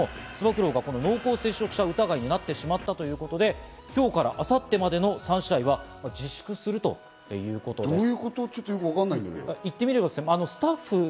つば九郎は濃厚接触者疑いになってしまったということで、今日から明後日までの３試合は自粛するということです。